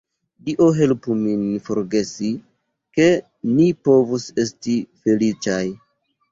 Dio helpu min forgesi, ke ni povus esti feliĉaj!